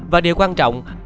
và điều quan trọng